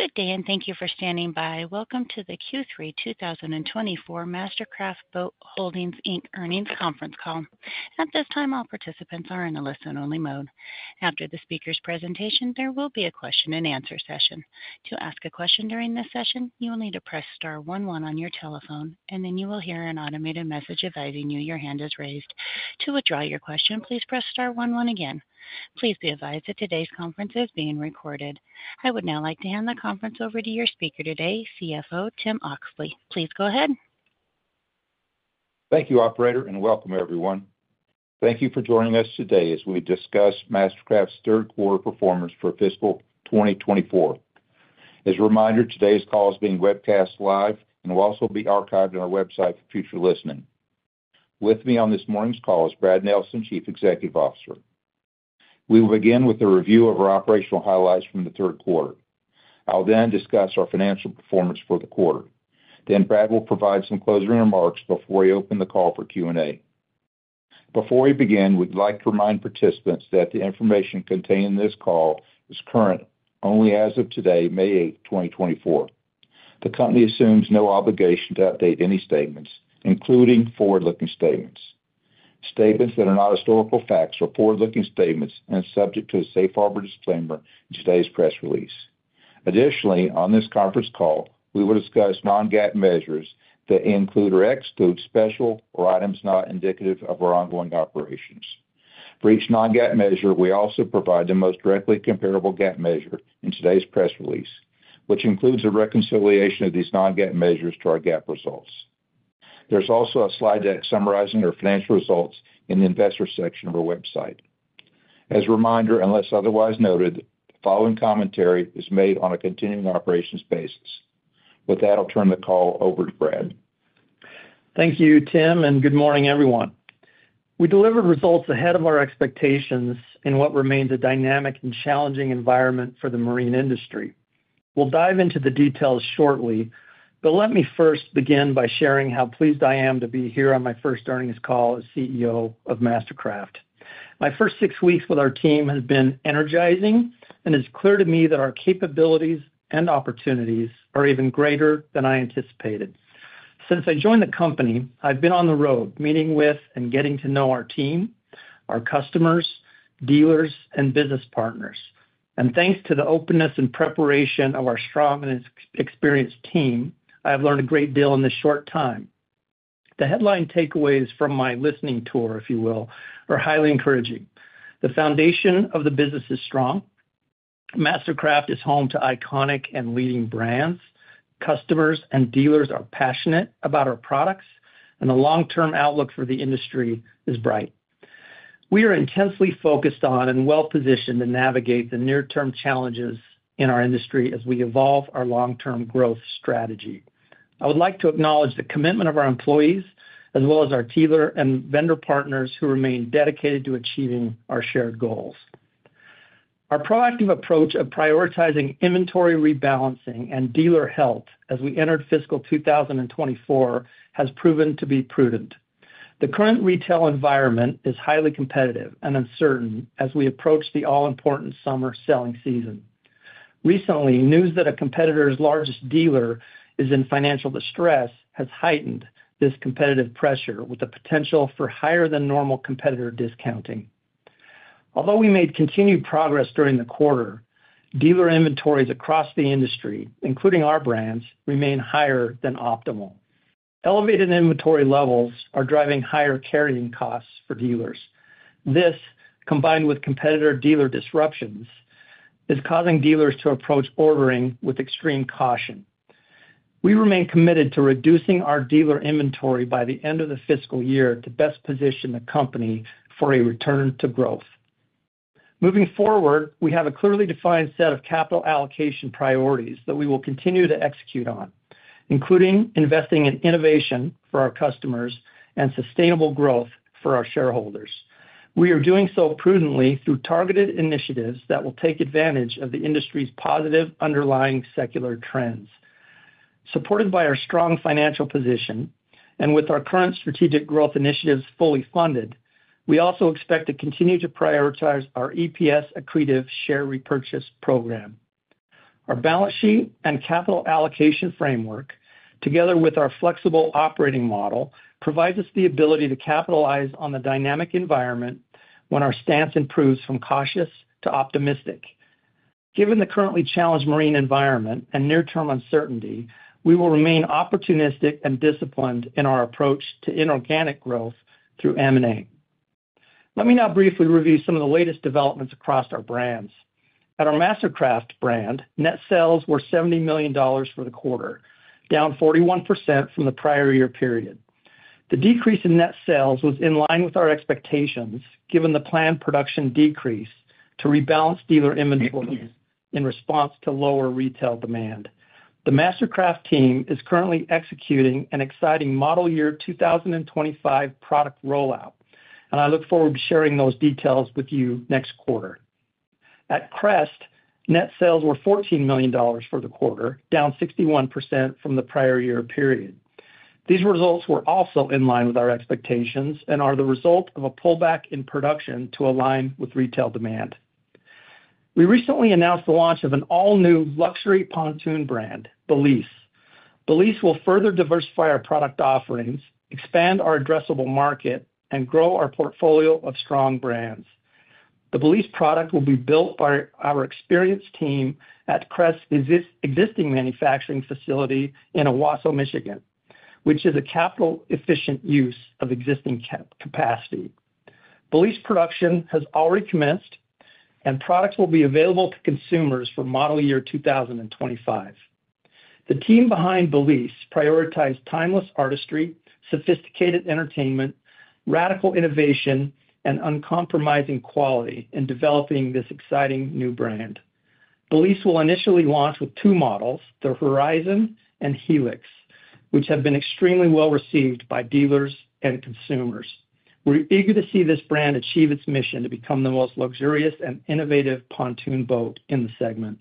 Good day, and thank you for standing by. Welcome to the Q3 2024 MasterCraft Boat Holdings, Inc. Earnings Conference Call. At this time, all participants are in a listen-only mode. After the speaker's presentation, there will be a question-and-answer session. To ask a question during this session, you will need to press star 11 on your telephone, and then you will hear an automated message advising you your hand is raised. To withdraw your question, please press star 11 again. Please be advised that today's conference is being recorded. I would now like to hand the conference over to your speaker today, CFO Tim Oxley. Please go ahead. Thank you, operator, and welcome, everyone. Thank you for joining us today as we discuss MasterCraft's third quarter performance for fiscal 2024. As a reminder, today's call is being webcast live, and it will also be archived on our website for future listening. With me on this morning's call is Brad Nelson, Chief Executive Officer. We will begin with a review of our operational highlights from the third quarter. I'll then discuss our financial performance for the quarter. Then Brad will provide some closing remarks before we open the call for Q&A. Before we begin, we'd like to remind participants that the information contained in this call is current only as of today, May 8, 2024. The company assumes no obligation to update any statements, including forward-looking statements. Statements that are not historical facts are forward-looking statements and subject to a safe harbor disclaimer in today's press release. Additionally, on this conference call, we will discuss non-GAAP measures that include or exclude special items not indicative of our ongoing operations. For each non-GAAP measure, we also provide the most directly comparable GAAP measure in today's press release, which includes a reconciliation of these non-GAAP measures to our GAAP results. There's also a slide deck summarizing our financial results in the investor section of our website. As a reminder, unless otherwise noted, the following commentary is made on a continuing operations basis. With that, I'll turn the call over to Brad. Thank you, Tim, and good morning, everyone. We delivered results ahead of our expectations in what remains a dynamic and challenging environment for the marine industry. We'll dive into the details shortly, but let me first begin by sharing how pleased I am to be here on my first earnings call as CEO of MasterCraft. My first six weeks with our team has been energizing, and it's clear to me that our capabilities and opportunities are even greater than I anticipated. Since I joined the company, I've been on the road meeting with and getting to know our team, our customers, dealers, and business partners. And thanks to the openness and preparation of our strong and experienced team, I have learned a great deal in this short time. The headline takeaways from my listening tour, if you will, are highly encouraging. The foundation of the business is strong. MasterCraft is home to iconic and leading brands. Customers and dealers are passionate about our products, and the long-term outlook for the industry is bright. We are intensely focused on and well-positioned to navigate the near-term challenges in our industry as we evolve our long-term growth strategy. I would like to acknowledge the commitment of our employees, as well as our dealer and vendor partners who remain dedicated to achieving our shared goals. Our proactive approach of prioritizing inventory rebalancing and dealer health as we entered fiscal 2024 has proven to be prudent. The current retail environment is highly competitive and uncertain as we approach the all-important summer selling season. Recently, news that a competitor's largest dealer is in financial distress has heightened this competitive pressure with the potential for higher-than-normal competitor discounting. Although we made continued progress during the quarter, dealer inventories across the industry, including our brands, remain higher than optimal. Elevated inventory levels are driving higher carrying costs for dealers. This, combined with competitor dealer disruptions, is causing dealers to approach ordering with extreme caution. We remain committed to reducing our dealer inventory by the end of the fiscal year to best position the company for a return to growth. Moving forward, we have a clearly defined set of capital allocation priorities that we will continue to execute on, including investing in innovation for our customers and sustainable growth for our shareholders. We are doing so prudently through targeted initiatives that will take advantage of the industry's positive underlying secular trends. Supported by our strong financial position and with our current strategic growth initiatives fully funded, we also expect to continue to prioritize our EPS accretive share repurchase program. Our balance sheet and capital allocation framework, together with our flexible operating model, provides us the ability to capitalize on the dynamic environment when our stance improves from cautious to optimistic. Given the currently challenged marine environment and near-term uncertainty, we will remain opportunistic and disciplined in our approach to inorganic growth through M&A. Let me now briefly review some of the latest developments across our brands. At our MasterCraft brand, net sales were $70 million for the quarter, down 41% from the prior year period. The decrease in net sales was in line with our expectations, given the planned production decrease to rebalance dealer inventories in response to lower retail demand. The MasterCraft team is currently executing an exciting Model Year 2025 product rollout, and I look forward to sharing those details with you next quarter. At Crest, net sales were $14 million for the quarter, down 61% from the prior year period. These results were also in line with our expectations and are the result of a pullback in production to align with retail demand. We recently announced the launch of an all-new luxury pontoon brand, Balise. Balise will further diversify our product offerings, expand our addressable market, and grow our portfolio of strong brands. The Balise product will be built by our experienced team at Crest's existing manufacturing facility in Owosso, Michigan, which is a capital-efficient use of existing capacity. Balise production has already commenced, and products will be available to consumers for model year 2025. The team behind Balise prioritized timeless artistry, sophisticated entertainment, radical innovation, and uncompromising quality in developing this exciting new brand. Balise will initially launch with two models, the Horizon and Helix, which have been extremely well received by dealers and consumers. We're eager to see this brand achieve its mission to become the most luxurious and innovative pontoon boat in the segment.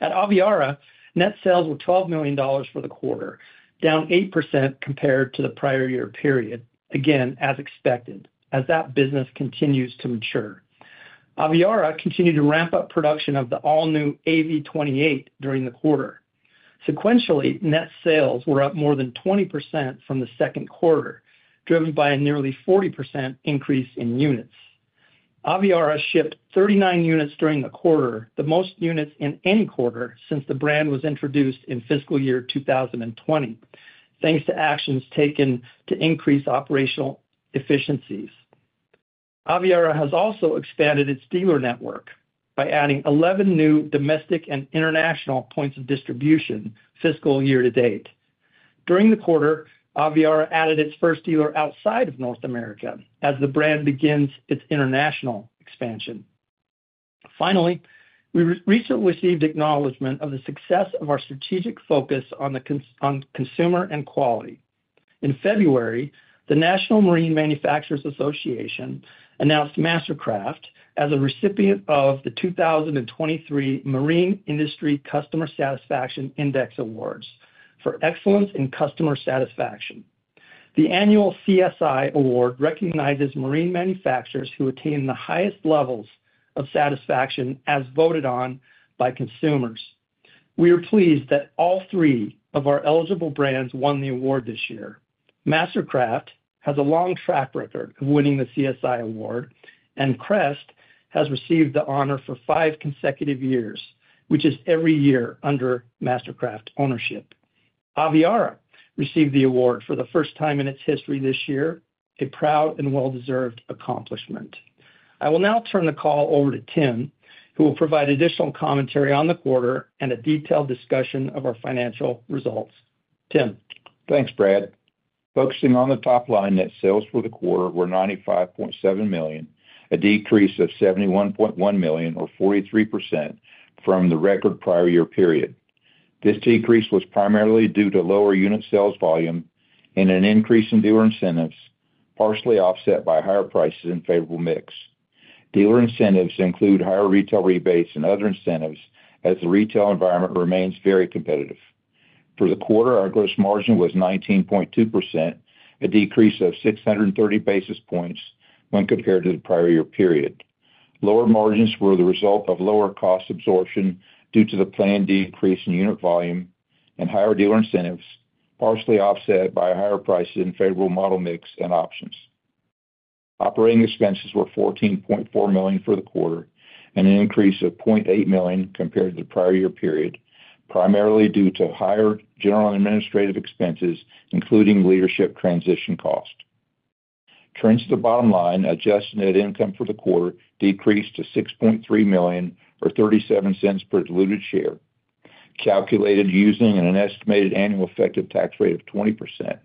At Aviara, net sales were $12 million for the quarter, down 8% compared to the prior year period, again, as expected, as that business continues to mature. Aviara continued to ramp up production of the all-new AV28 during the quarter. Sequentially, net sales were up more than 20% from the second quarter, driven by a nearly 40% increase in units. Aviara shipped 39 units during the quarter, the most units in any quarter since the brand was introduced in fiscal year 2020, thanks to actions taken to increase operational efficiencies. Aviara has also expanded its dealer network by adding 11 new domestic and international points of distribution fiscal year to date. During the quarter, Aviara added its first dealer outside of North America as the brand begins its international expansion. Finally, we recently received acknowledgment of the success of our strategic focus on consumer and quality. In February, the National Marine Manufacturers Association announced MasterCraft as a recipient of the 2023 Marine Industry Customer Satisfaction Index Awards for excellence in customer satisfaction. The annual CSI award recognizes marine manufacturers who attain the highest levels of satisfaction as voted on by consumers. We are pleased that all three of our eligible brands won the award this year. MasterCraft has a long track record of winning the CSI award, and Crest has received the honor for five consecutive years, which is every year under MasterCraft ownership. Aviara received the award for the first time in its history this year, a proud and well-deserved accomplishment. I will now turn the call over to Tim, who will provide additional commentary on the quarter and a detailed discussion of our financial results. Tim. Thanks, Brad. Focusing on the top line, net sales for the quarter were $95.7 million, a decrease of $71.1 million or 43% from the record prior year period. This decrease was primarily due to lower unit sales volume and an increase in dealer incentives, partially offset by higher prices and favorable mix. Dealer incentives include higher retail rebates and other incentives as the retail environment remains very competitive. For the quarter, our gross margin was 19.2%, a decrease of 630 basis points when compared to the prior year period. Lower margins were the result of lower cost absorption due to the planned decrease in unit volume and higher dealer incentives, partially offset by higher prices and favorable model mix and options. Operating expenses were $14.4 million for the quarter, an increase of $0.8 million compared to the prior year period, primarily due to higher general administrative expenses, including leadership transition costs. Turning to the bottom line, adjusted net income for the quarter decreased to $6.3 million or $0.37 per diluted share, calculated using an estimated annual effective tax rate of 20%.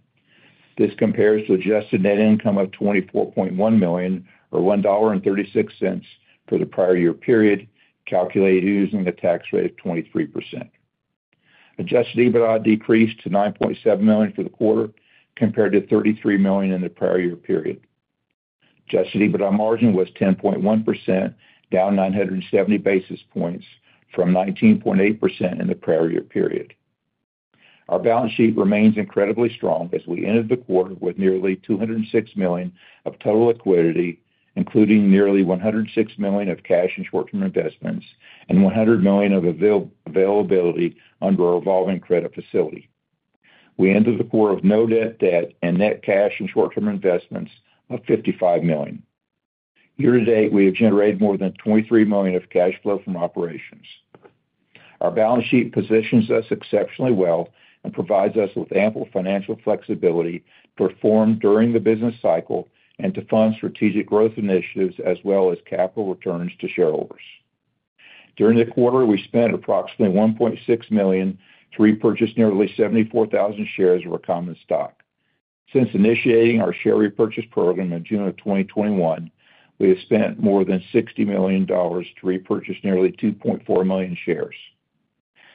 This compares to adjusted net income of $24.1 million or $1.36 for the prior year period, calculated using a tax rate of 23%. Adjusted EBITDA decreased to $9.7 million for the quarter, compared to $33 million in the prior year period. Adjusted EBITDA margin was 10.1%, down 970 basis points from 19.8% in the prior year period. Our balance sheet remains incredibly strong as we entered the quarter with nearly $206 million of total liquidity, including nearly $106 million of cash and short-term investments and $100 million of availability under our revolving credit facility. We entered the quarter with no debt and net cash and short-term investments of $55 million. Year to date, we have generated more than $23 million of cash flow from operations. Our balance sheet positions us exceptionally well and provides us with ample financial flexibility to perform during the business cycle and to fund strategic growth initiatives as well as capital returns to shareholders. During the quarter, we spent approximately $1.6 million to repurchase nearly 74,000 shares of our common stock. Since initiating our share repurchase program in June of 2021, we have spent more than $60 million to repurchase nearly 2.4 million shares.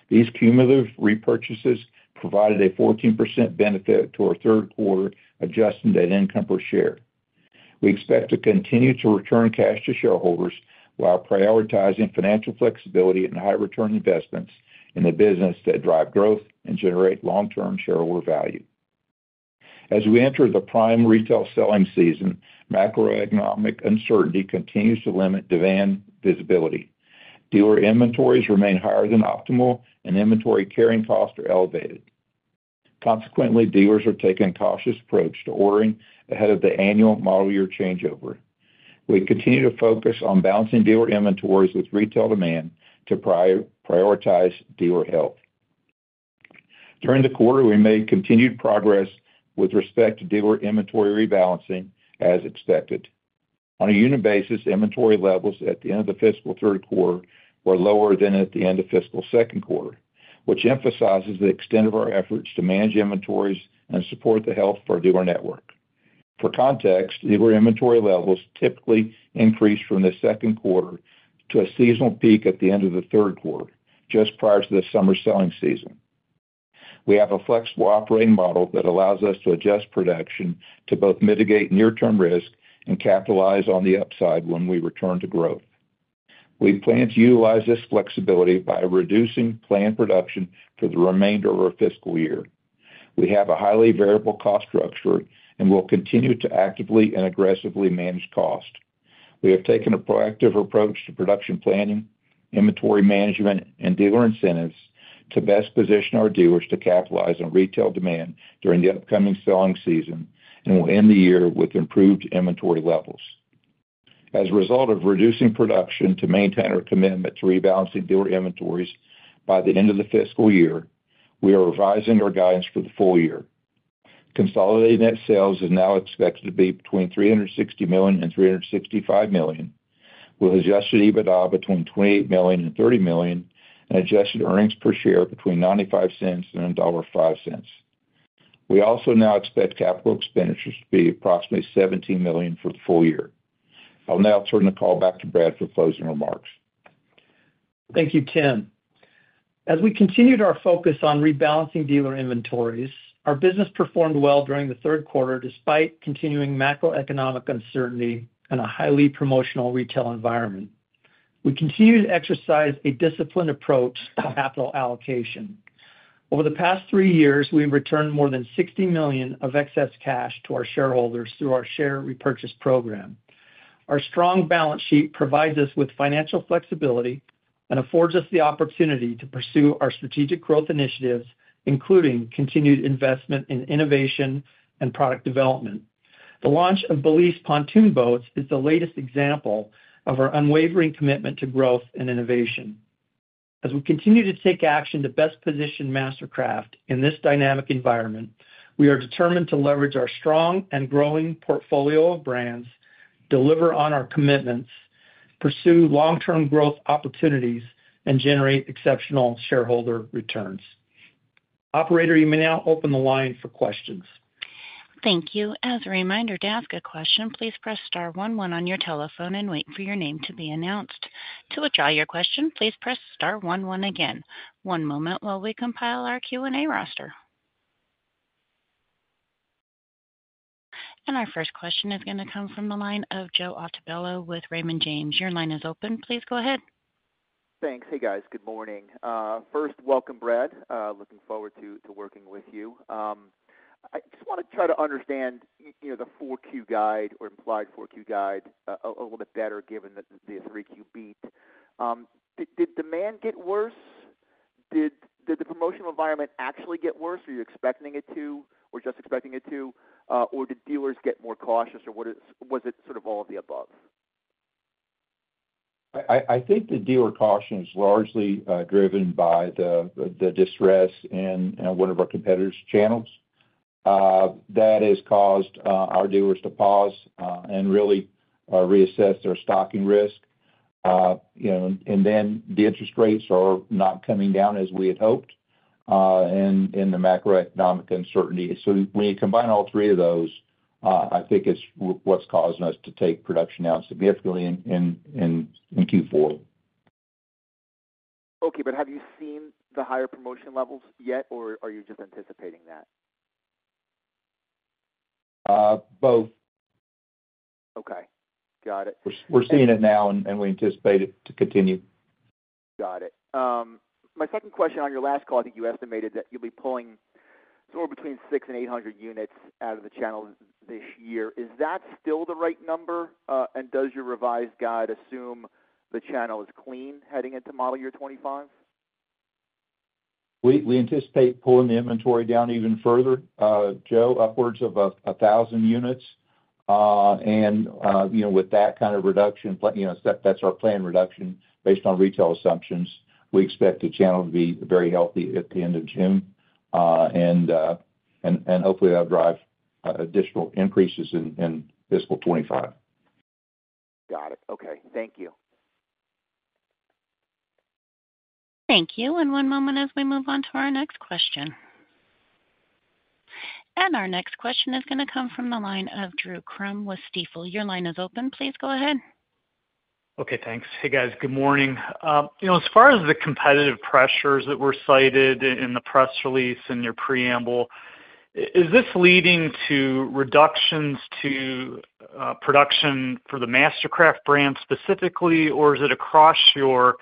These cumulative repurchases provided a 14% benefit to our third quarter Adjusted Net Income per share. We expect to continue to return cash to shareholders while prioritizing financial flexibility and high-return investments in the business that drive growth and generate long-term shareholder value. As we enter the prime retail selling season, macroeconomic uncertainty continues to limit demand visibility. Dealer inventories remain higher than optimal, and inventory carrying costs are elevated. Consequently, dealers are taking a cautious approach to ordering ahead of the annual Model Year changeover. We continue to focus on balancing dealer inventories with retail demand to prioritize dealer health. During the quarter, we made continued progress with respect to dealer inventory rebalancing as expected. On a unit basis, inventory levels at the end of the fiscal third quarter were lower than at the end of fiscal second quarter, which emphasizes the extent of our efforts to manage inventories and support the health of our dealer network. For context, dealer inventory levels typically increase from the second quarter to a seasonal peak at the end of the third quarter, just prior to the summer selling season. We have a flexible operating model that allows us to adjust production to both mitigate near-term risk and capitalize on the upside when we return to growth. We plan to utilize this flexibility by reducing planned production for the remainder of our fiscal year. We have a highly variable cost structure and will continue to actively and aggressively manage cost. We have taken a proactive approach to production planning, inventory management, and dealer incentives to best position our dealers to capitalize on retail demand during the upcoming selling season and will end the year with improved inventory levels. As a result of reducing production to maintain our commitment to rebalancing dealer inventories by the end of the fiscal year, we are revising our guidance for the full year. Consolidated net sales is now expected to be between $360 million and $365 million, with Adjusted EBITDA between $28 million and $30 million, and Adjusted Earnings Per Share between $0.95 and $1.05. We also now expect capital expenditures to be approximately $17 million for the full year. I'll now turn the call back to Brad for closing remarks. Thank you, Tim. As we continued our focus on rebalancing dealer inventories, our business performed well during the third quarter despite continuing macroeconomic uncertainty and a highly promotional retail environment. We continue to exercise a disciplined approach to capital allocation. Over the past three years, we have returned more than $60 million of excess cash to our shareholders through our share repurchase program. Our strong balance sheet provides us with financial flexibility and affords us the opportunity to pursue our strategic growth initiatives, including continued investment in innovation and product development. The launch of Balise pontoon boats is the latest example of our unwavering commitment to growth and innovation. As we continue to take action to best position MasterCraft in this dynamic environment, we are determined to leverage our strong and growing portfolio of brands, deliver on our commitments, pursue long-term growth opportunities, and generate exceptional shareholder returns. Operator, you may now open the line for questions. Thank you. As a reminder to ask a question, please press star 11 on your telephone and wait for your name to be announced. To withdraw your question, please press star 11 again. One moment while we compile our Q&A roster. Our first question is going to come from the line of Joe Altobello with Raymond James. Your line is open. Please go ahead. Thanks. Hey, guys. Good morning. First, welcome, Brad. Looking forward to working with you. I just want to try to understand the 4Q guide or implied 4Q guide a little bit better given the 3Q beat. Did demand get worse? Did the promotional environment actually get worse, or are you expecting it to, or just expecting it to? Or did dealers get more cautious, or was it sort of all of the above? I think the dealer caution is largely driven by the distress in one of our competitors' channels that has caused our dealers to pause and really reassess their stocking risk. And then the interest rates are not coming down as we had hoped in the macroeconomic uncertainty. So when you combine all three of those, I think it's what's causing us to take production down significantly in Q4. Okay, but have you seen the higher promotion levels yet, or are you just anticipating that? Both. Okay. Got it. We're seeing it now, and we anticipate it to continue. Got it. My second question, on your last call, I think you estimated that you'll be pulling somewhere between 6-800 units out of the channel this year. Is that still the right number, and does your revised guide assume the channel is clean heading into Model Year 2025? We anticipate pulling the inventory down even further, Joe, upwards of 1,000 units. With that kind of reduction, that's our planned reduction based on retail assumptions. We expect the channel to be very healthy at the end of June and hopefully that'll drive additional increases in fiscal 2025. Got it. Okay. Thank you. Thank you. One moment as we move on to our next question. Our next question is going to come from the line of Drew Crum with Stifel. Your line is open. Please go ahead. Okay, thanks. Hey, guys. Good morning. As far as the competitive pressures that were cited in the press release and your preamble, is this leading to reductions to production for the MasterCraft brand specifically, or is it across your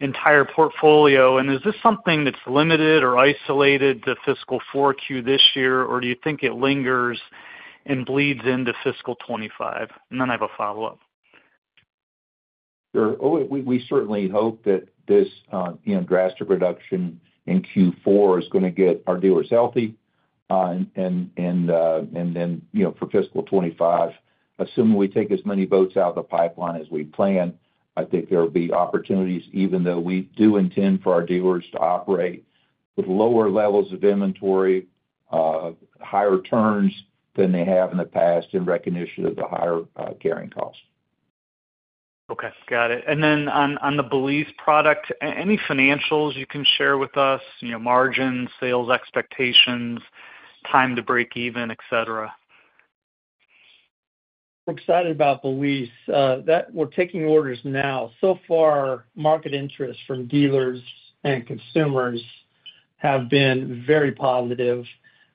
entire portfolio? And is this something that's limited or isolated to fiscal 4Q this year, or do you think it lingers and bleeds into fiscal 2025? And then I have a follow-up. Sure. Oh, we certainly hope that this drastic reduction in Q4 is going to get our dealers healthy. And then for fiscal 2025, assuming we take as many boats out of the pipeline as we plan, I think there will be opportunities, even though we do intend for our dealers to operate with lower levels of inventory, higher turns than they have in the past, in recognition of the higher carrying costs. Okay. Got it. And then on the Balise product, any financials you can share with us, margins, sales expectations, time to break even, etc.? Excited about Balise. We're taking orders now. So far, market interest from dealers and consumers have been very positive.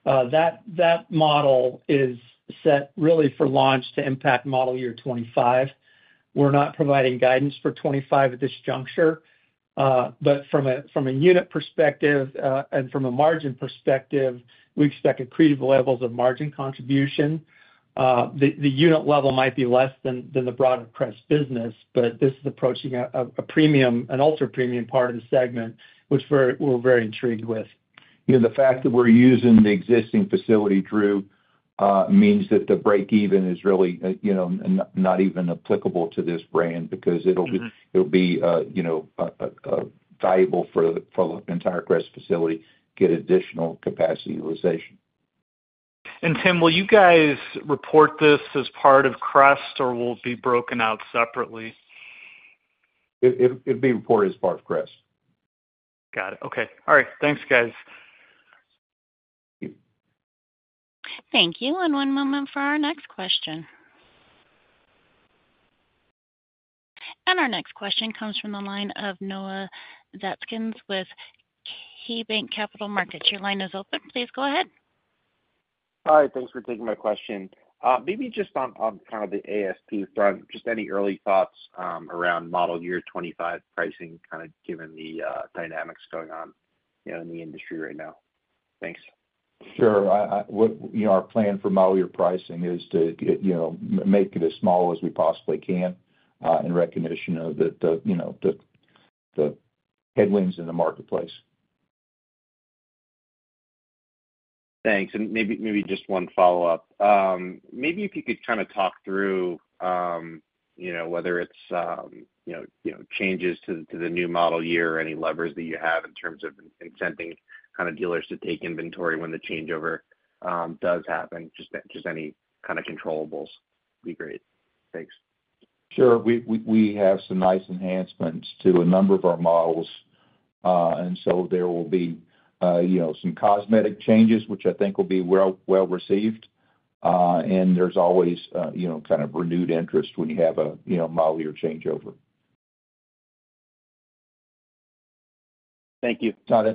That model is set really for launch to impact Model Year 2025. We're not providing guidance for 2025 at this juncture. But from a unit perspective and from a margin perspective, we expect accretive levels of margin contribution. The unit level might be less than the broader pontoon business, but this is approaching an ultra-premium part of the segment, which we're very intrigued with. The fact that we're using the existing facility, Drew, means that the break-even is really not even applicable to this brand because it'll be valuable for the entire Crest facility to get additional capacity utilization. Tim, will you guys report this as part of Crest, or will it be broken out separately? It'll be reported as part of Crest. Got it. Okay. All right. Thanks, guys. Thank you. One moment for our next question. Our next question comes from the line of Noah Zatzkin with KeyBanc Capital Markets. Your line is open. Please go ahead. Hi. Thanks for taking my question. Maybe just on kind of the ASP front, just any early thoughts around Model Year 2025 pricing, kind of given the dynamics going on in the industry right now. Thanks. Sure. Our plan for Model Year pricing is to make it as small as we possibly can in recognition of the headwinds in the marketplace. Thanks. Maybe just one follow-up. Maybe if you could kind of talk through whether it's changes to the new model year, any levers that you have in terms of incenting kind of dealers to take inventory when the changeover does happen, just any kind of controllables, would be great. Thanks. Sure. We have some nice enhancements to a number of our models. And so there will be some cosmetic changes, which I think will be well received. And there's always kind of renewed interest when you have a Model Year changeover. Thank you. Not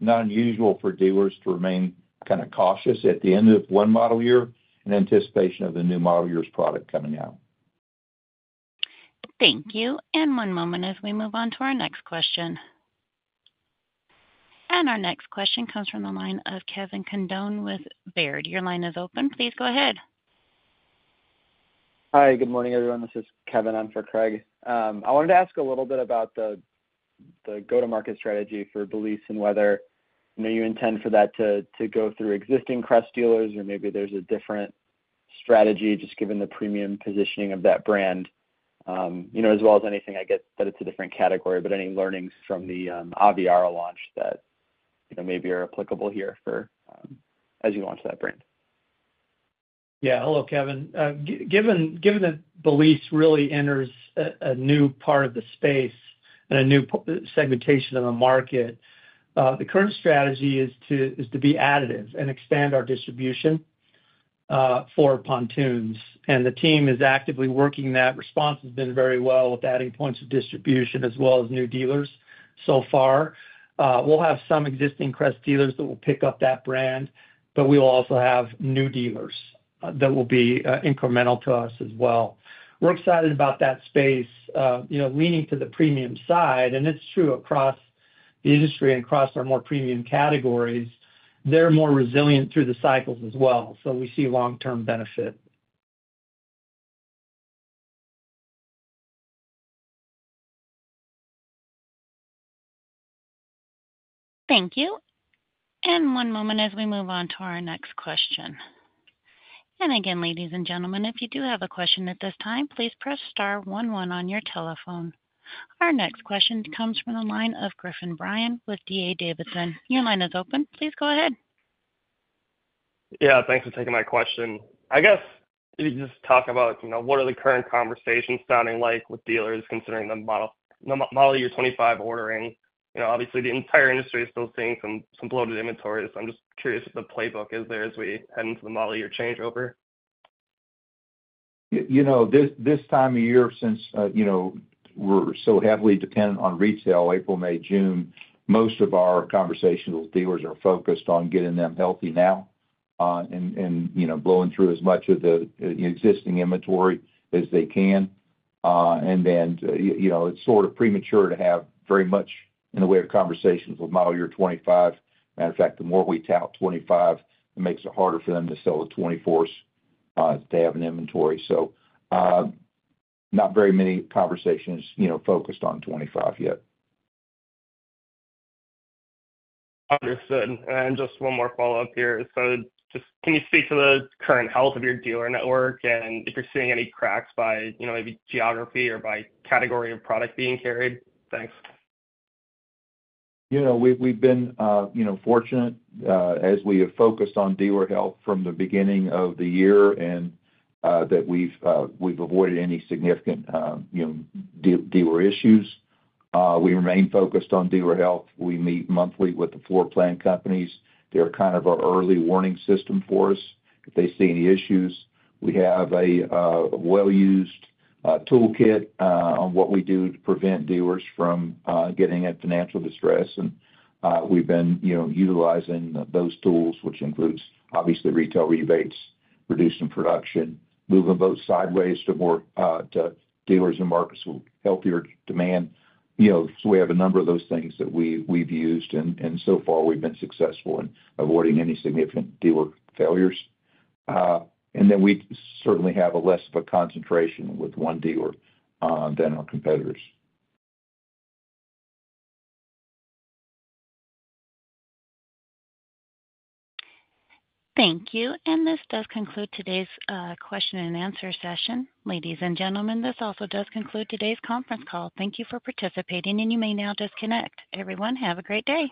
unusual for dealers to remain kind of cautious at the end of one Model Year in anticipation of the new Model Year's product coming out. Thank you. One moment as we move on to our next question. Our next question comes from the line of Kevin Condon with Baird. Your line is open. Please go ahead. Hi. Good morning, everyone. This is Kevin. I'm for Craig. I wanted to ask a little bit about the go-to-market strategy for Balise and whether you intend for that to go through existing Crest dealers, or maybe there's a different strategy just given the premium positioning of that brand, as well as anything, I guess, that it's a different category, but any learnings from the Aviara launch that maybe are applicable here as you launch that brand. Yeah. Hello, Kevin. Given that Balise really enters a new part of the space and a new segmentation of the market, the current strategy is to be additive and expand our distribution for pontoons. And the team is actively working that. Response has been very well with adding points of distribution as well as new dealers so far. We'll have some existing Crest dealers that will pick up that brand, but we will also have new dealers that will be incremental to us as well. We're excited about that space, leaning to the premium side. And it's true across the industry and across our more premium categories. They're more resilient through the cycles as well. So we see long-term benefit. Thank you. One moment as we move on to our next question. Again, ladies and gentlemen, if you do have a question at this time, please press star 11 on your telephone. Our next question comes from the line of Griffin Bryan with D.A. Davidson. Your line is open. Please go ahead. Yeah. Thanks for taking my question. I guess if you could just talk about what are the current conversations sounding like with dealers considering the model year 2025 ordering? Obviously, the entire industry is still seeing some bloated inventory. So I'm just curious what the playbook is there as we head into the model year changeover. This time of year, since we're so heavily dependent on retail, April, May, June, most of our conventional dealers are focused on getting them healthy now and blowing through as much of the existing inventory as they can. Then it's sort of premature to have very much in the way of conversations with Model Year 2025. Matter of fact, the more we tout 2025, it makes it harder for them to sell the 2024s to have an inventory. Not very many conversations focused on 2025 yet. Understood. Just one more follow-up here. Can you speak to the current health of your dealer network and if you're seeing any cracks by maybe geography or by category of product being carried? Thanks. We've been fortunate as we have focused on dealer health from the beginning of the year and that we've avoided any significant dealer issues. We remain focused on dealer health. We meet monthly with the floor plan companies. They're kind of our early warning system for us if they see any issues. We have a well-used toolkit on what we do to prevent dealers from getting in financial distress. And we've been utilizing those tools, which includes, obviously, retail rebates, reducing production, moving boats sideways to dealers and markets with healthier demand. So we have a number of those things that we've used. And so far, we've been successful in avoiding any significant dealer failures. And then we certainly have less of a concentration with one dealer than our competitors. Thank you. This does conclude today's question and answer session. Ladies and gentlemen, this also does conclude today's conference call. Thank you for participating, and you may now disconnect. Everyone, have a great day.